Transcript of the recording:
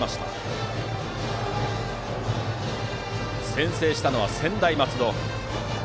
先制したのは専大松戸。